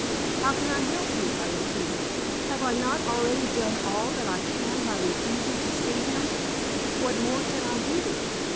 "How can I help you?" I repeated. "Have I not already done all that I can by refusing to see him? What more can I do?"